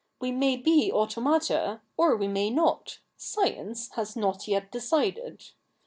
We may be automata, or we may not. Science has not yet decided.